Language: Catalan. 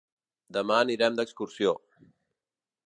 Demà anirem d'excursió.